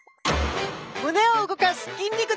胸を動かす筋肉です！